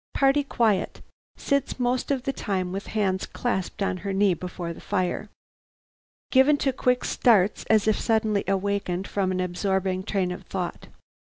"Party quiet. Sits most of the time with hands clasped on her knee before the fire. Given to quick starts as if suddenly awakened from an absorbing train of thought.